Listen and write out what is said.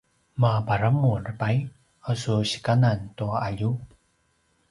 maparamur pai a su sikanan tua alju?